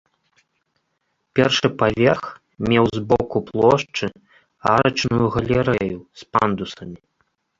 Першы паверх меў з боку плошчы арачную галерэю з пандусамі.